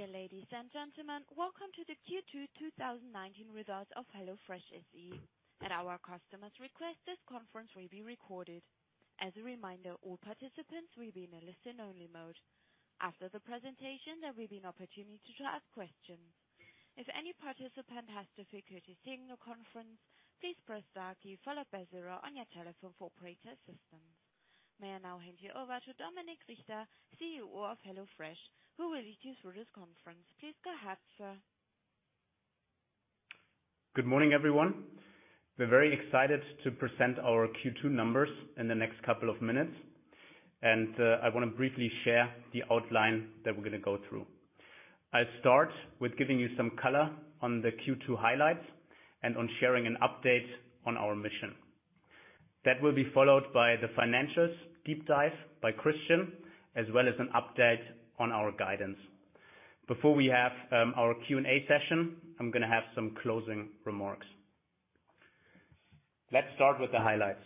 Dear ladies and gentlemen, welcome to the Q2 2019 results of HelloFresh SE. At our customers' request, this conference will be recorded. As a reminder, all participants will be in a listen-only mode. After the presentation, there will be an opportunity to ask questions. If any participant has difficulty hearing the conference, please press star key followed by zero on your telephone for operator assistance. May I now hand you over to Dominik Richter, CEO of HelloFresh, who will lead you through this conference. Please go ahead, sir. Good morning, everyone. We're very excited to present our Q2 numbers in the next couple of minutes, and I want to briefly share the outline that we're going to go through. I'll start with giving you some color on the Q2 highlights and on sharing an update on our mission. That will be followed by the financials deep dive by Christian, as well as an update on our guidance. Before we have our Q&A session, I'm going to have some closing remarks. Let's start with the highlights.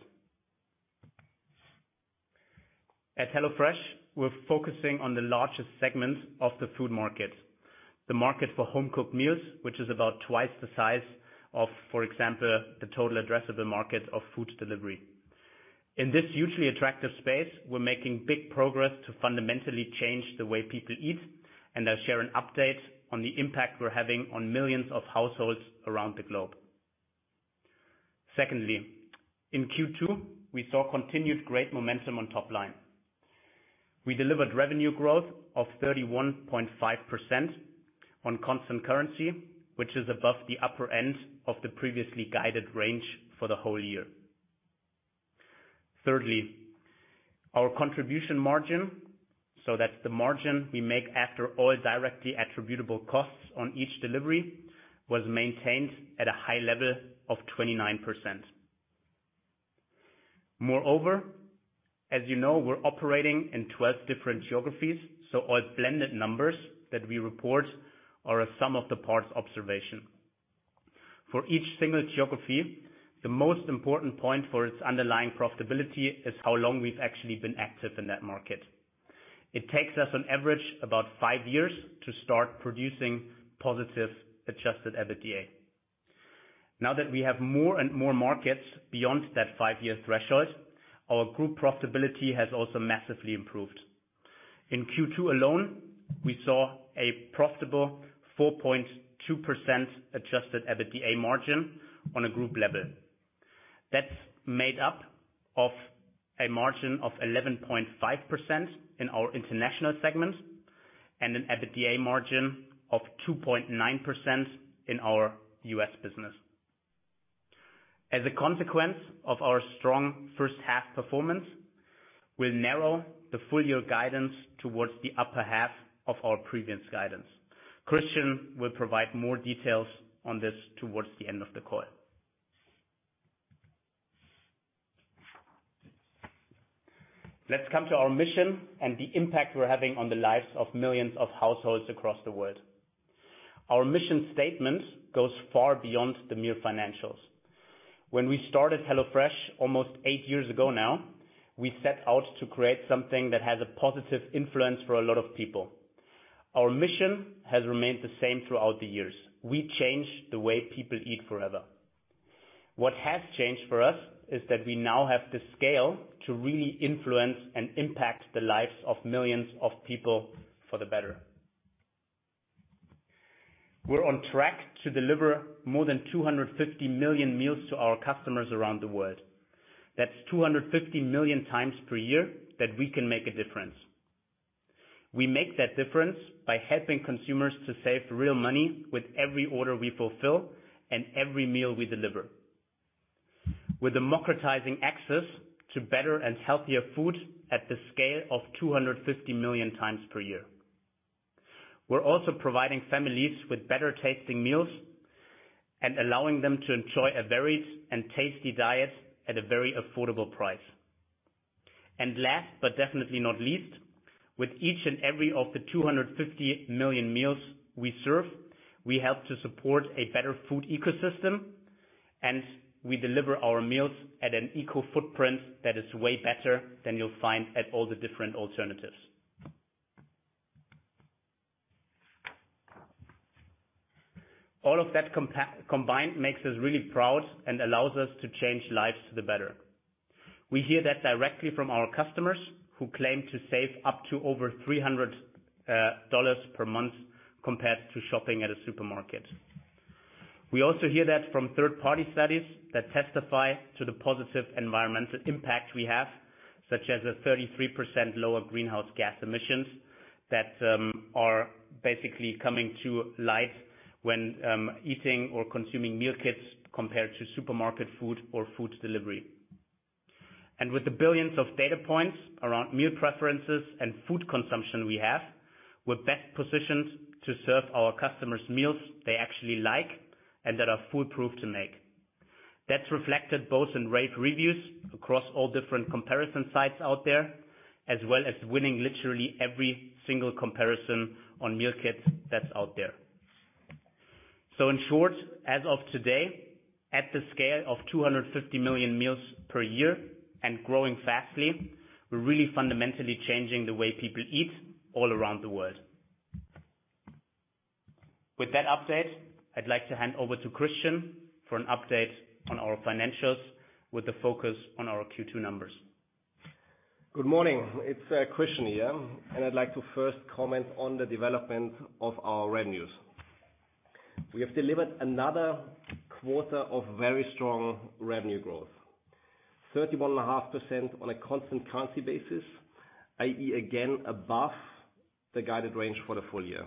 At HelloFresh, we're focusing on the largest segments of the food market, the market for home-cooked meals, which is about twice the size of, for example, the total addressable market of food delivery. In this hugely attractive space, we're making big progress to fundamentally change the way people eat. I'll share an update on the impact we're having on millions of households around the globe. Secondly, in Q2, we saw continued great momentum on top line. We delivered revenue growth of 31.5% on constant currency, which is above the upper end of the previously guided range for the whole year. Thirdly, our contribution margin, so that's the margin we make after all directly attributable costs on each delivery, was maintained at a high level of 29%. As you know, we're operating in 12 different geographies. All blended numbers that we report are a sum of the parts observation. For each single geography, the most important point for its underlying profitability is how long we've actually been active in that market. It takes us on average about five years to start producing positive adjusted EBITDA. We have more and more markets beyond that five-year threshold, our group profitability has also massively improved. In Q2 alone, we saw a profitable 4.2% adjusted EBITDA margin on a group level. That's made up of a margin of 11.5% in our international segment and an EBITDA margin of 2.9% in our U.S. business. As a consequence of our strong first half performance, we'll narrow the full year guidance towards the upper half of our previous guidance. Christian will provide more details on this towards the end of the call. Let's come to our mission and the impact we're having on the lives of millions of households across the world. Our mission statement goes far beyond the mere financials. When we started HelloFresh almost eight years ago now, we set out to create something that has a positive influence for a lot of people. Our mission has remained the same throughout the years. We change the way people eat forever. What has changed for us is that we now have the scale to really influence and impact the lives of millions of people for the better. We're on track to deliver more than 250 million meals to our customers around the world. That's 250 million times per year that we can make a difference. We make that difference by helping consumers to save real money with every order we fulfill and every meal we deliver. We're democratizing access to better and healthier food at the scale of 250 million times per year. Last, but definitely not least, with each and every of the 250 million meals we serve, we help to support a better food ecosystem, and we deliver our meals at an eco footprint that is way better than you'll find at all the different alternatives. All of that combined makes us really proud and allows us to change lives to the better. We hear that directly from our customers, who claim to save up to over $300 per month compared to shopping at a supermarket. We also hear that from third-party studies that testify to the positive environmental impact we have, such as a 33% lower greenhouse gas emissions that are basically coming to light when eating or consuming meal kits compared to supermarket food or food delivery. With the billions of data points around meal preferences and food consumption we have, we're best positioned to serve our customers meals they actually like and that are foolproof to make. That's reflected both in rave reviews across all different comparison sites out there, as well as winning literally every single comparison on meal kits that's out there. In short, as of today, at the scale of 250 million meals per year and growing fastly, we're really fundamentally changing the way people eat all around the world. With that update, I'd like to hand over to Christian for an update on our financials with the focus on our Q2 numbers. Good morning. It's Christian here. I'd like to first comment on the development of our revenues. We have delivered another quarter of very strong revenue growth, 31.5% on a constant currency basis, i.e. again, above the guided range for the full year.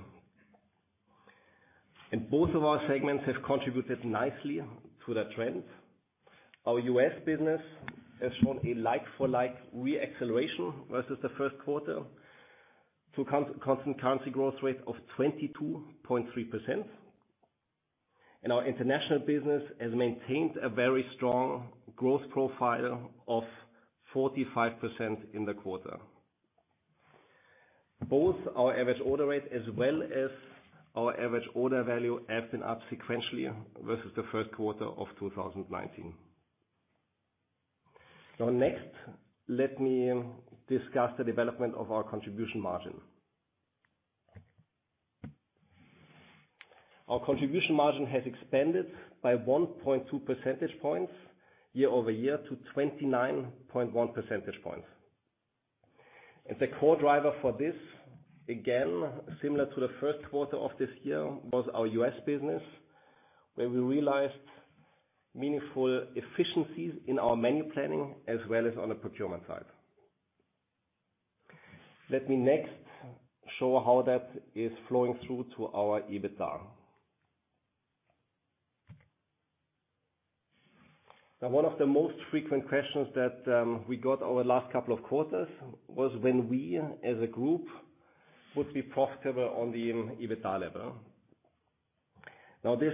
Both of our segments have contributed nicely to that trend. Our U.S. business has shown a like-for-like re-acceleration versus the first quarter to constant currency growth rate of 22.3%. Our international business has maintained a very strong growth profile of 45% in the quarter. Both our average order rate as well as our average order value have been up sequentially versus the first quarter of 2019. Next, let me discuss the development of our contribution margin. Our contribution margin has expanded by 1.2 percentage points year-over-year to 29.1 percentage points. The core driver for this, again, similar to the first quarter of this year, was our U.S. business, where we realized meaningful efficiencies in our menu planning as well as on the procurement side. Let me next show how that is flowing through to our EBITDA. One of the most frequent questions that we got over the last couple of quarters was when we as a group would be profitable on the EBITDA level. This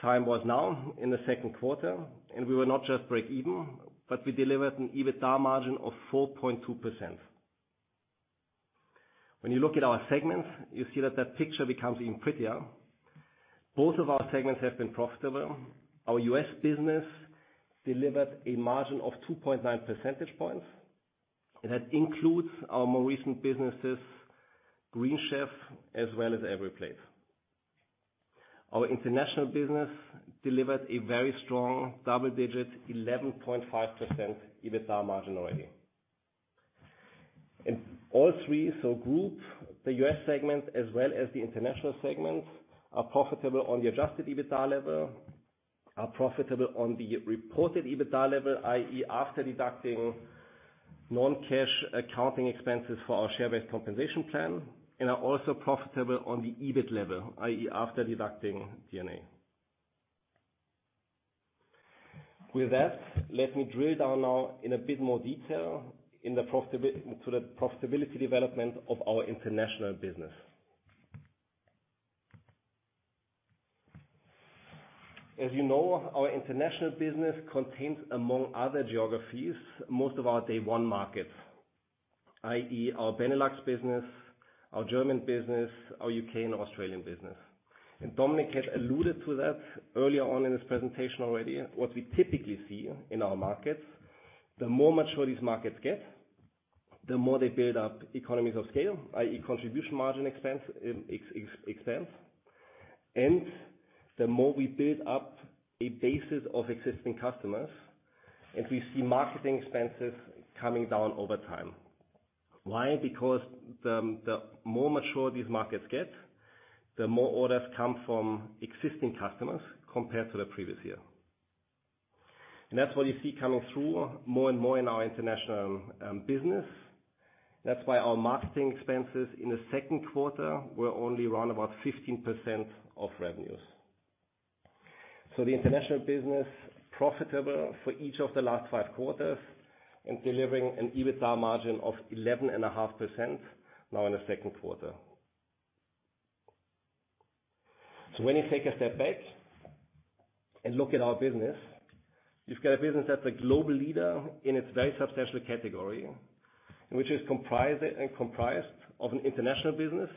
time was now in the second quarter, and we will not just break even, but we delivered an EBITDA margin of 4.2%. When you look at our segments, you see that that picture becomes even prettier. Both of our segments have been profitable. Our U.S. business delivered a margin of 2.9 percentage points. That includes our more recent businesses, Green Chef, as well as EveryPlate. Our international business delivered a very strong double-digit 11.5% EBITDA margin already. All three, so group, the U.S. segment, as well as the international segment, are profitable on the adjusted EBITDA level, are profitable on the reported EBITDA level, i.e. after deducting non-cash accounting expenses for our share-based compensation plan, and are also profitable on the EBIT level, i.e. after deducting G&A. With that, let me drill down now in a bit more detail to the profitability development of our international business. As you know, our international business contains, among other geographies, most of our day 1 markets, i.e. our Benelux business, our German business, our U.K. and Australian business. Dominik had alluded to that earlier on in his presentation already, what we typically see in our markets. The more mature these markets get, the more they build up economies of scale, i.e. contribution margin expense. The more we build up a basis of existing customers, and we see marketing expenses coming down over time. Why? Because the more mature these markets get, the more orders come from existing customers compared to the previous year. That's what you see coming through more and more in our international business. That's why our marketing expenses in the second quarter were only around about 15% of revenues. The international business profitable for each of the last five quarters and delivering an EBITDA margin of 11.5% now in the second quarter. When you take a step back and look at our business, you've got a business that's a global leader in its very substantial category, and which is comprised of an international business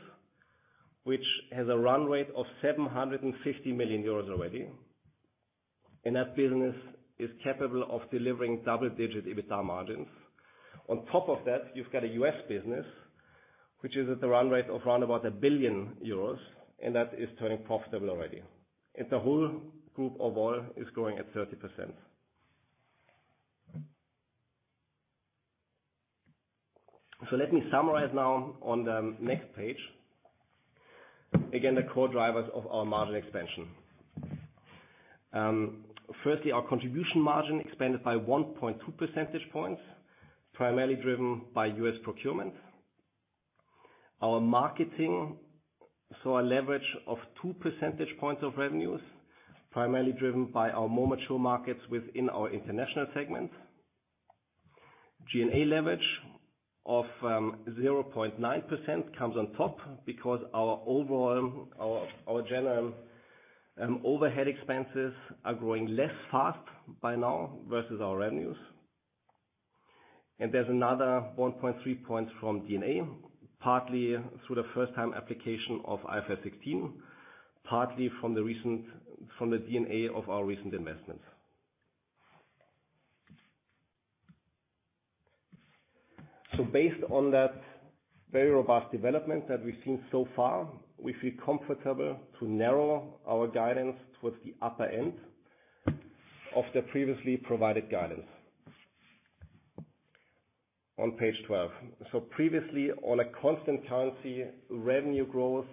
which has a run rate of €750 million already. That business is capable of delivering double-digit EBITDA margins. On top of that, you've got a U.S. business, which is at the run rate of around about 1 billion euros, that is turning profitable already. The whole group overall is growing at 30%. Let me summarize now on the next page. Again, the core drivers of our margin expansion. Firstly, our contribution margin expanded by 1.2 percentage points, primarily driven by U.S. procurement. Our marketing saw a leverage of two percentage points of revenues, primarily driven by our more mature markets within our international segment. G&A leverage of 0.9% comes on top because our general overhead expenses are growing less fast by now versus our revenues. There's another 1.3 points from D&A, partly through the first-time application of IFRS 16, partly from the D&A of our recent investments. Based on that very robust development that we've seen so far, we feel comfortable to narrow our guidance towards the upper end of the previously provided guidance. On page 12. Previously, on a constant currency revenue growth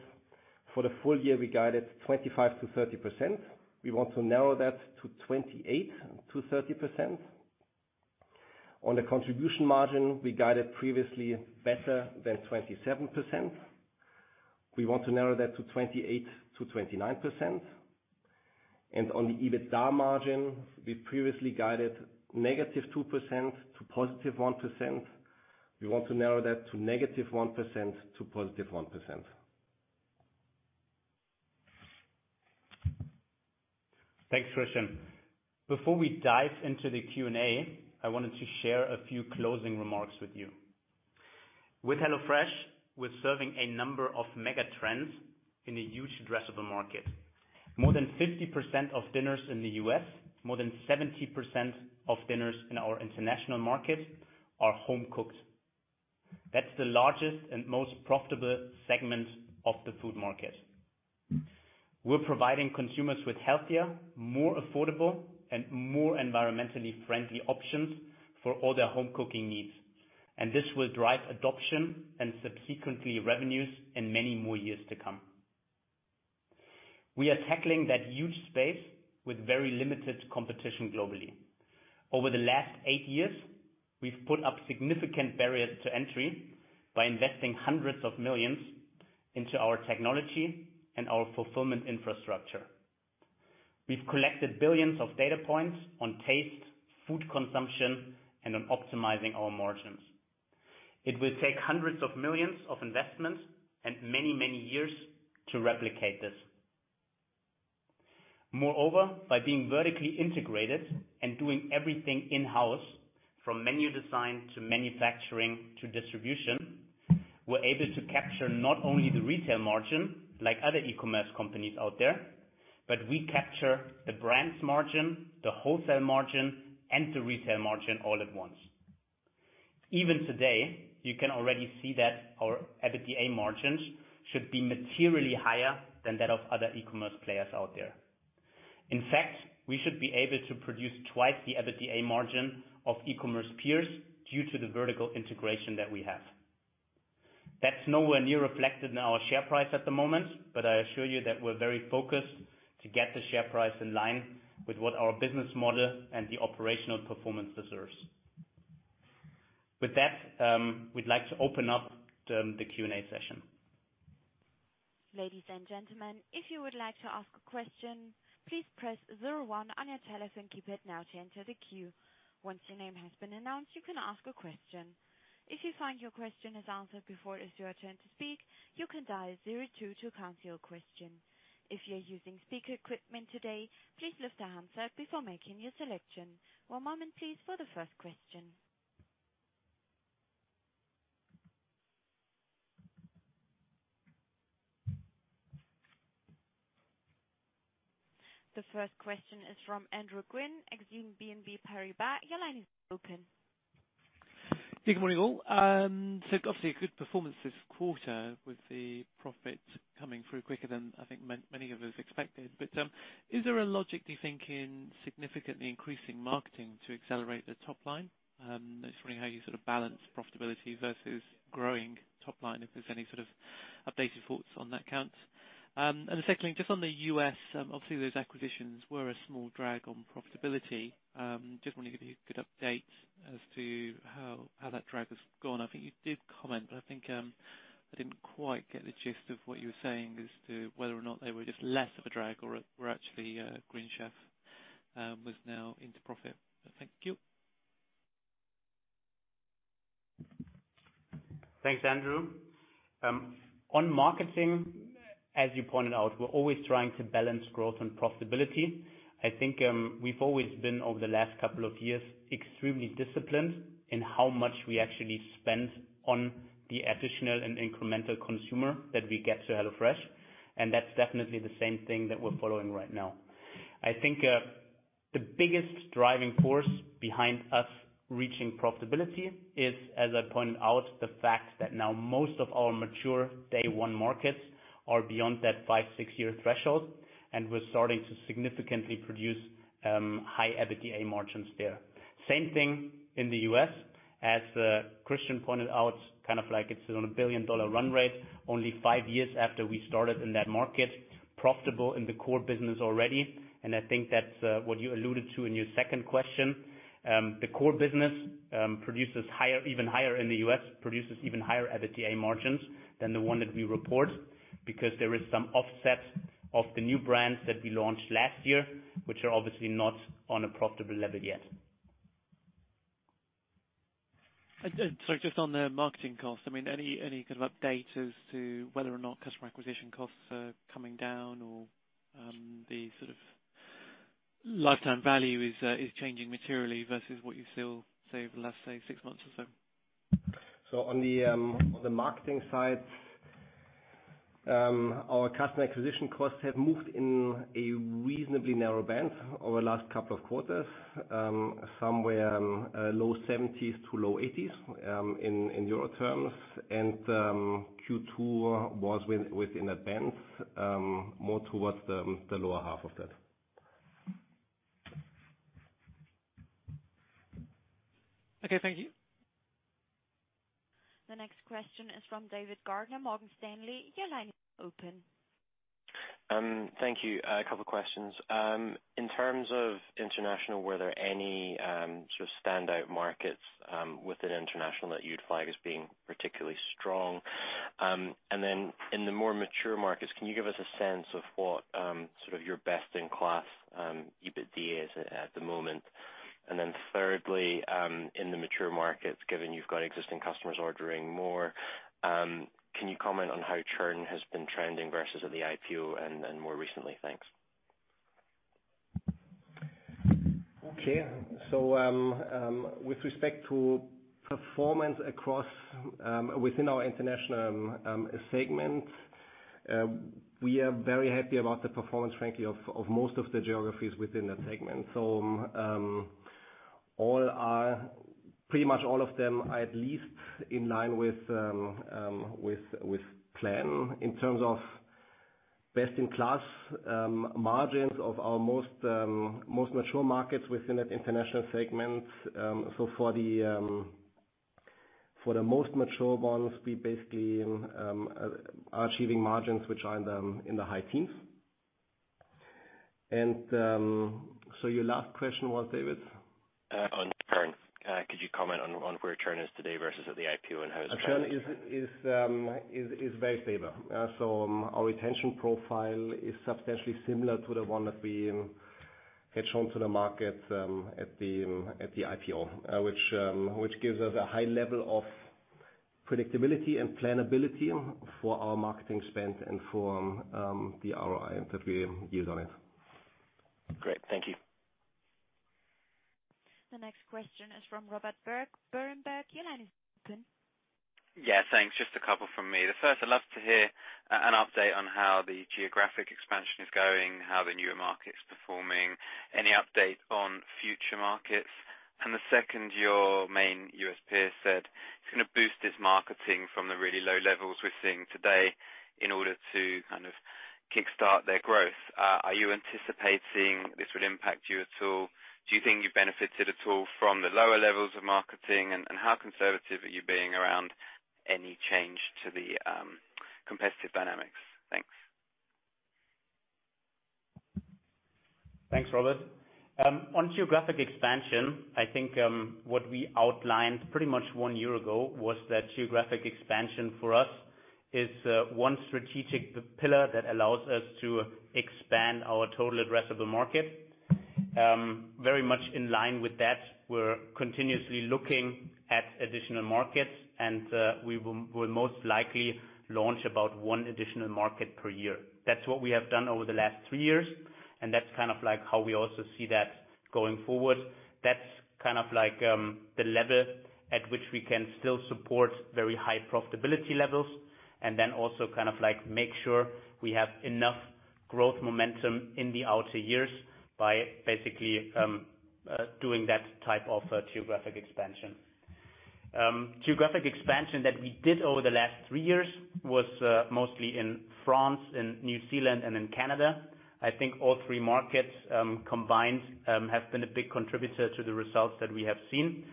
for the full year, we guided 25%-30%. We want to narrow that to 28%-30%. On the contribution margin, we guided previously better than 27%. We want to narrow that to 28%-29%. On the EBITDA margin, we previously guided -2% to +1%. We want to narrow that to -1% to +1%. Thanks, Christian. Before we dive into the Q&A, I wanted to share a few closing remarks with you. With HelloFresh, we're serving a number of mega trends in a huge addressable market. More than 50% of dinners in the U.S., more than 70% of dinners in our international markets are home-cooked. That's the largest and most profitable segment of the food market. We're providing consumers with healthier, more affordable, and more environmentally friendly options for all their home cooking needs. This will drive adoption and subsequently revenues in many more years to come. We are tackling that huge space with very limited competition globally. Over the last eight years, we've put up significant barriers to entry by investing hundreds of millions into our technology and our fulfillment infrastructure. We've collected billions of data points on taste, food consumption, and on optimizing our margins. It will take hundreds of millions of investments and many, many years to replicate this. By being vertically integrated and doing everything in-house, from menu design to manufacturing to distribution, we're able to capture not only the retail margin, like other e-commerce companies out there, but we capture the brand's margin, the wholesale margin, and the retail margin all at once. Even today, you can already see that our EBITDA margins should be materially higher than that of other e-commerce players out there. We should be able to produce twice the EBITDA margin of e-commerce peers due to the vertical integration that we have. That's nowhere near reflected in our share price at the moment, I assure you that we're very focused to get the share price in line with what our business model and the operational performance deserves. With that, we'd like to open up the Q&A session. Ladies and gentlemen, if you would like to ask a question, please press 01 on your telephone keypad now to enter the queue. Once your name has been announced, you can ask a question. If you find your question is answered before it is your turn to speak, you can dial 02 to cancel your question. If you're using speaker equipment today, please lift the handset before making your selection. One moment please for the first question. The first question is from Andrew Gwynn, Exane BNP Paribas. Your line is open. Good morning, all. Obviously a good performance this quarter with the profit coming through quicker than I think many of us expected. Is there a logic do you think in significantly increasing marketing to accelerate the top line? I'm just wondering how you sort of balance profitability versus growing top line, if there's any sort of updated thoughts on that count. The second thing, just on the U.S., obviously those acquisitions were a small drag on profitability. Just wondering if you could update as to how that drag has gone? I think you did comment, but I didn't quite get the gist of what you were saying as to whether or not they were just less of a drag or were actually Green Chef was now into profit. Thank you. Thanks, Andrew. On marketing, as you pointed out, we're always trying to balance growth and profitability. I think, we've always been, over the last couple of years, extremely disciplined in how much we actually spend on the additional and incremental consumer that we get to HelloFresh, and that's definitely the same thing that we're following right now. I think the biggest driving force behind us reaching profitability is, as I pointed out, the fact that now most of our mature day one markets are beyond that five, six-year threshold, and we're starting to significantly produce high EBITDA margins there. Same thing in the U.S. As Christian pointed out, kind of like it's on a $1 billion run rate only five years after we started in that market, profitable in the core business already. I think that's what you alluded to in your second question. The core business produces even higher in the U.S., produces even higher EBITDA margins than the one that we report, because there is some offset of the new brands that we launched last year, which are obviously not on a profitable level yet. Sorry, just on the marketing costs, any kind of update as to whether or not customer acquisition costs are coming down or the sort of lifetime value is changing materially versus what you still say the last, say six months or so? On the marketing side, our customer acquisition costs have moved in a reasonably narrow band over the last couple of quarters, somewhere low 70s to low 80s, in EUR terms. Q2 was within that band, more towards the lower half of that. Okay, thank you. The next question is from David Gardner, Morgan Stanley. Your line is open. Thank you. A couple questions. In terms of international, were there any sort of standout markets within international that you'd flag as being particularly strong? In the more mature markets, can you give us a sense of what your best-in-class EBITDA is at the moment? Thirdly, in the mature markets, given you've got existing customers ordering more, can you comment on how churn has been trending versus at the IPO and more recently? Thanks. Okay. With respect to performance within our international segment, we are very happy about the performance, frankly, of most of the geographies within that segment. Pretty much all of them are at least in line with plan in terms of best-in-class margins of our most mature markets within that international segment. For the most mature ones, we basically are achieving margins which are in the high teens. Your last question was, David? On churn. Could you comment on where churn is today versus at the IPO and how it's? Churn is very stable. Our retention profile is substantially similar to the one that we had shown to the market at the IPO, which gives us a high level of predictability and planability for our marketing spend and for the ROI that we yield on it. Great. Thank you. The next question is from Robert Berg, Bernstein. Your line is open. Yeah, thanks. Just a couple from me. The first, I'd love to hear an update on how the geographic expansion is going, how the newer market's performing, any update on future markets. The second, your main U.S. peer said it's going to boost its marketing from the really low levels we're seeing today in order to kind of kickstart their growth. Are you anticipating this would impact you at all? Do you think you benefited at all from the lower levels of marketing? How conservative are you being around any change to the competitive dynamics? Thanks. Thanks, Robert. On geographic expansion, I think what we outlined pretty much one year ago was that geographic expansion for us is one strategic pillar that allows us to expand our total addressable market. Very much in line with that, we're continuously looking at additional markets, and we will most likely launch about one additional market per year. That's what we have done over the last three years, and that's kind of how we also see that going forward. That's the level at which we can still support very high profitability levels then also make sure we have enough growth momentum in the outer years by basically doing that type of geographic expansion. Geographic expansion that we did over the last three years was mostly in France, in New Zealand, and in Canada. I think all three markets combined have been a big contributor to the results that we have seen,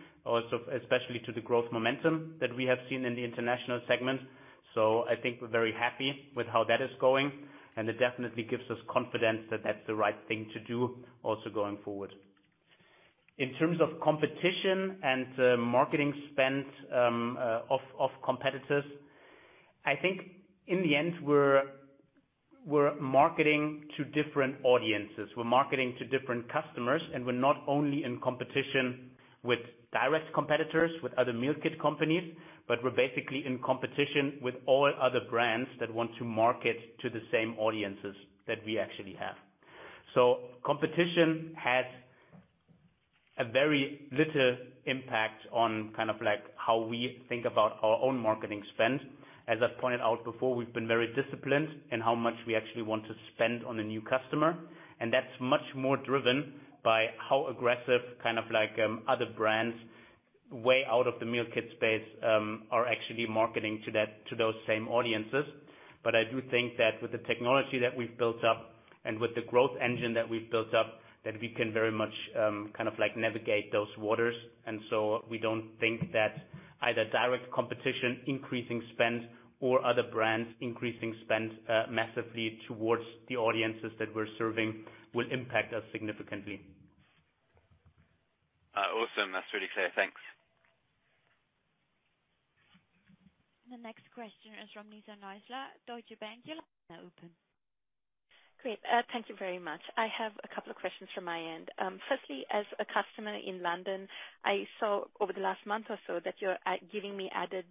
especially to the growth momentum that we have seen in the international segment. I think we're very happy with how that is going, and it definitely gives us confidence that that's the right thing to do also going forward. In terms of competition and marketing spend of competitors, I think in the end, we're marketing to different audiences. We're marketing to different customers, and we're not only in competition with direct competitors, with other meal kit companies, but we're basically in competition with all other brands that want to market to the same audiences that we actually have. Competition has a very little impact on how we think about our own marketing spend. As I pointed out before, we've been very disciplined in how much we actually want to spend on a new customer, and that's much more driven by how aggressive other brands way out of the meal kit space are actually marketing to those same audiences. I do think that with the technology that we've built up and with the growth engine that we've built up, that we can very much navigate those waters. We don't think that either direct competition increasing spend or other brands increasing spend massively towards the audiences that we're serving will impact us significantly. Awesome. That's really clear. Thanks. The next question is from Lisa Knisler, Deutsche Bank. Your line is now open. Great. Thank you very much. I have a couple of questions from my end. Firstly, as a customer in London, I saw over the last month or so that you're giving me added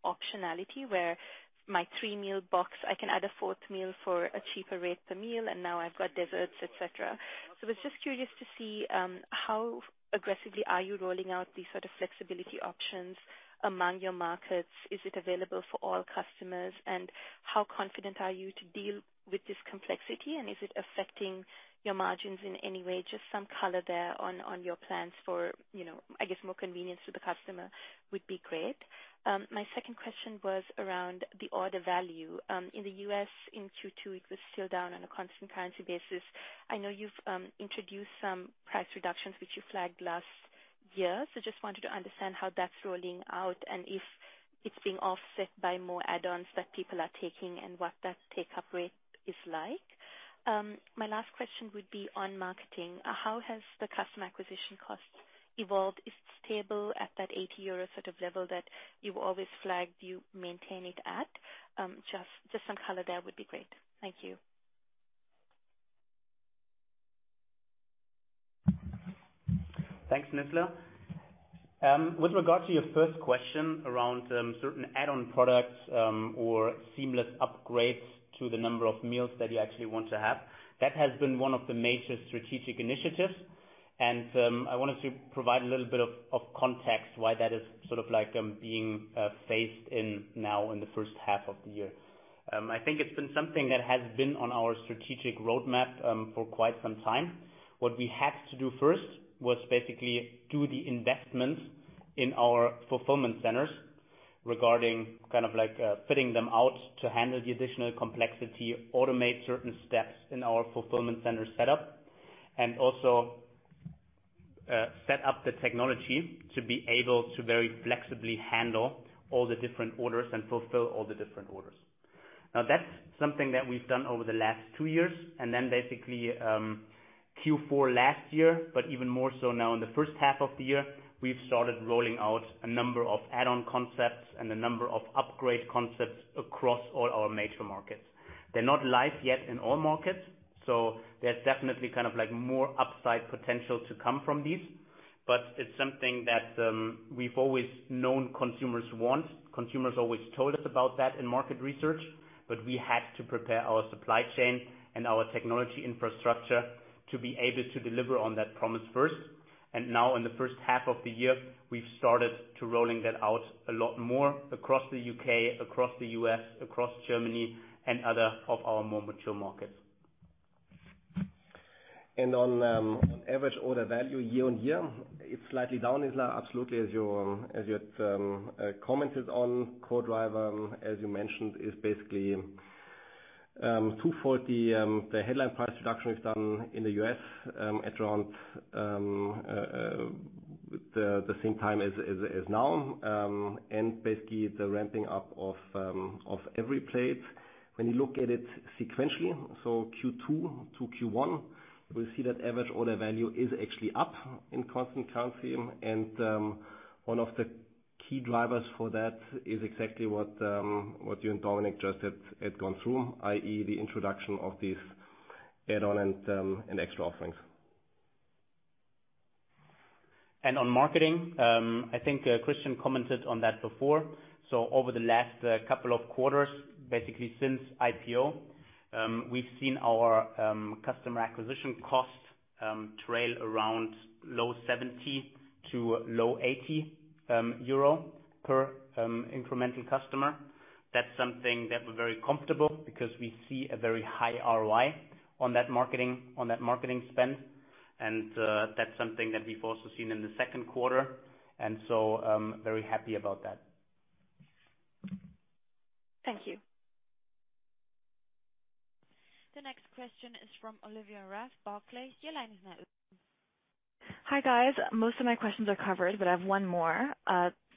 optionality where my three-meal box, I can add a fourth meal for a cheaper rate per meal, and now I've got desserts, et cetera. I was just curious to see how aggressively are you rolling out these sort of flexibility options among your markets. Is it available for all customers? How confident are you to deal with this complexity, and is it affecting your margins in any way? Just some color there on your plans for, I guess, more convenience to the customer would be great. My second question was around the order value. In the U.S. in Q2, it was still down on a constant currency basis. I know you've introduced some price reductions, which you flagged last year. Just wanted to understand how that's rolling out, and if it's being offset by more add-ons that people are taking and what that take-up rate is like. My last question would be on marketing. How has the customer acquisition cost evolved? Is it stable at that 80 euro sort of level that you've always flagged you maintain it at? Just some color there would be great. Thank you. Thanks, Lisa. With regard to your first question around certain add-on products or seamless upgrades to the number of meals that you actually want to have, that has been one of the major strategic initiatives. I wanted to provide a little bit of context why that is being phased in now in the first half of the year. I think it's been something that has been on our strategic roadmap for quite some time. What we had to do first was basically do the investments in our fulfillment centers regarding fitting them out to handle the additional complexity, automate certain steps in our fulfillment center setup, and also set up the technology to be able to very flexibly handle all the different orders and fulfill all the different orders. That's something that we've done over the last two years, then basically Q4 last year, but even more so in the first half of the year, we've started rolling out a number of add-on concepts and a number of upgrade concepts across all our major markets. They're not live yet in all markets, so there's definitely more upside potential to come from these. It's something that we've always known consumers want. Consumers always told us about that in market research, but we had to prepare our supply chain and our technology infrastructure to be able to deliver on that promise first. In the first half of the year, we've started to rolling that out a lot more across the U.K., across the U.S., across Germany, and other of our more mature markets. On average order value year-on-year, it's slightly down, Lisa. Absolutely. As you had commented on, core driver, as you mentioned, is basically two-fold. The headline price reduction we've done in the U.S. at around the same time as now. Basically, the ramping up of EveryPlate. When you look at it sequentially, so Q2 to Q1, we see that average order value is actually up in constant currency. One of the key drivers for that is exactly what you and Dominik just had gone through, i.e., the introduction of these add-on and extra offerings. On marketing, I think Christian commented on that before. Over the last couple of quarters, basically since IPO, we've seen our customer acquisition cost trail around low 70 to low 80 euro per incremental customer. That's something that we're very comfortable because we see a very high ROI on that marketing spend. That's something that we've also seen in the second quarter. Very happy about that. Thank you. The next question is from Olivia Raff, Barclays. Your line is now open. Hi, guys. Most of my questions are covered, but I have one more.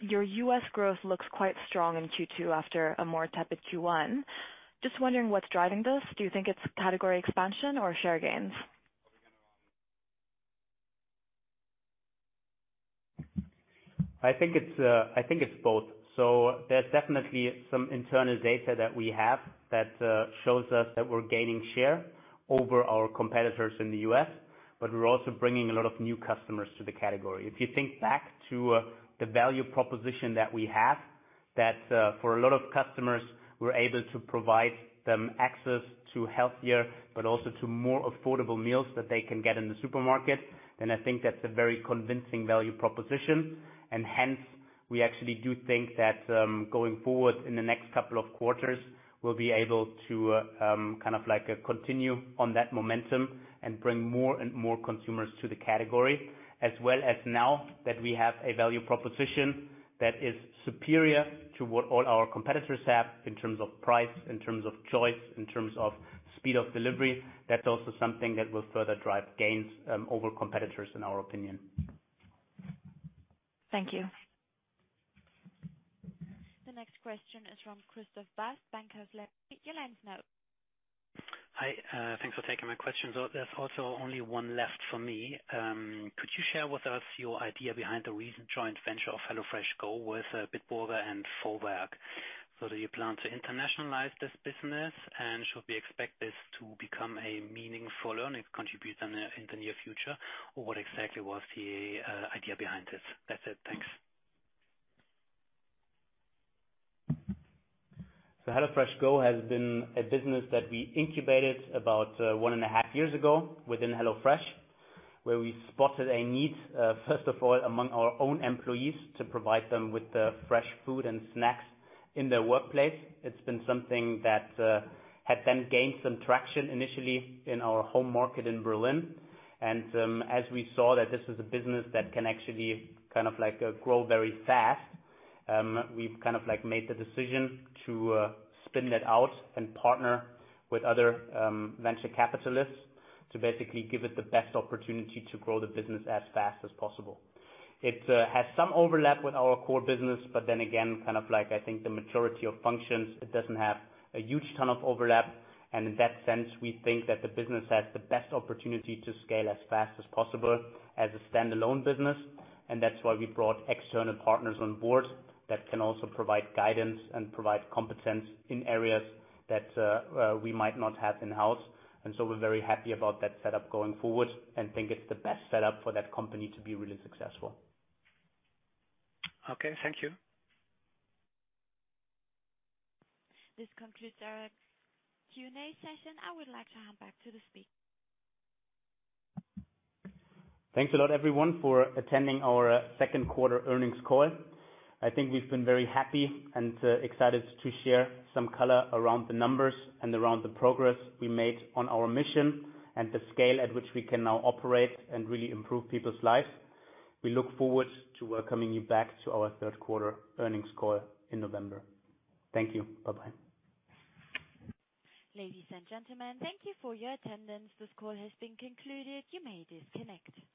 Your U.S. growth looks quite strong in Q2 after a more tepid Q1. Just wondering what's driving this. Do you think it's category expansion or share gains? I think it's both. There's definitely some internal data that we have that shows us that we're gaining share over our competitors in the U.S., but we're also bringing a lot of new customers to the category. If you think back to the value proposition that we have, that for a lot of customers, we're able to provide them access to healthier but also to more affordable meals that they can get in the supermarket, then I think that's a very convincing value proposition. Hence, we actually do think that going forward in the next couple of quarters, we'll be able to continue on that momentum and bring more and more consumers to the category, as well as now that we have a value proposition that is superior to what all our competitors have in terms of price, in terms of choice, in terms of speed of delivery. That's also something that will further drive gains over competitors, in our opinion. Thank you. The next question is from Christoph Bast, Bankhaus Lampe. Your line's now open. Hi, thanks for taking my questions. There's also only one left for me. Could you share with us your idea behind the recent joint venture of HelloFreshGO with Bitburger and Vorwerk? Do you plan to internationalize this business? Should we expect this to become a meaningful earnings contribution in the near future? What exactly was the idea behind this? That's it. Thanks. HelloFreshGO has been a business that we incubated about one and a half years ago within HelloFresh, where we spotted a need, first of all, among our own employees to provide them with the fresh food and snacks in their workplace. It's been something that had then gained some traction initially in our home market in Berlin. As we saw that this was a business that can actually grow very fast, we've made the decision to spin that out and partner with other venture capitalists to basically give it the best opportunity to grow the business as fast as possible. It has some overlap with our core business, but then again, I think the majority of functions, it doesn't have a huge ton of overlap. In that sense, we think that the business has the best opportunity to scale as fast as possible as a standalone business, and that's why we brought external partners on board that can also provide guidance and provide competence in areas that we might not have in-house. We're very happy about that setup going forward and think it's the best setup for that company to be really successful. Okay, thank you. This concludes our Q&A session. I would like to hand back to the speaker. Thanks a lot, everyone, for attending our second quarter earnings call. I think we've been very happy and excited to share some color around the numbers and around the progress we made on our mission and the scale at which we can now operate and really improve people's lives. We look forward to welcoming you back to our third quarter earnings call in November. Thank you. Bye-bye. Ladies and gentlemen, thank you for your attendance. This call has been concluded. You may disconnect.